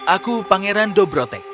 aku pangeran dobrotek